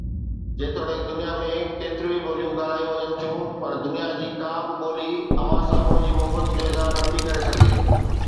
جيتوڻيڪ دنيا ۾ ڪيتريون ئي ٻوليون ڳالهايون وڃن ٿيون، پر دنيا جي ڪا به ٻولي اوهان سان منهنجي محبت جو اظهار نٿي ڪري سگهي.